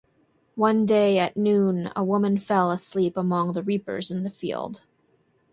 One day at noon a woman fell asleep among the reapers in the field.